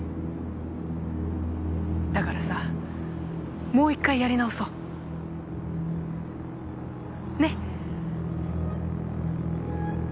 だからさもう一回やり直そう。ね？